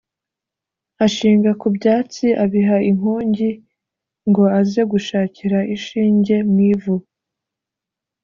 ashinga ku byatsi abiha inkongi ngo aze gushakira inshinge mu ivu.